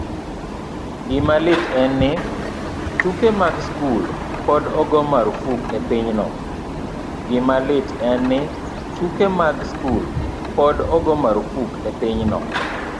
Gima lit en ni, tuke mag skul pod ogo marfuk e pinyno.